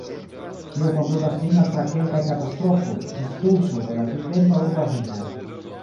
Tio kondukas lin tra kelkaj katastrofoj, ĝis tuŝo de la tiutempa urba vivo.